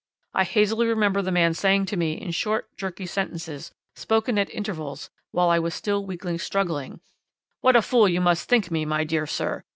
I hazily remember the man saying to me in short, jerky sentences, spoken at intervals while I was still weakly struggling: "'"What a fool you must think me, my dear sir!